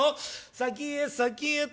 先へ先へと。